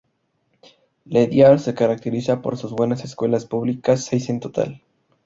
Ledyard se caracteriza por sus buenas escuelas públicas, seis en total.